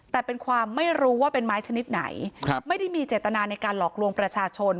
แต่เป็นความไม่รู้ว่าเป็นไม้ชนิดไหนไม่ได้มีเจตนาในการหลอกลวงประชาชน